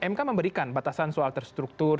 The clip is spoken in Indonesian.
mk memberikan batasan soal terstruktur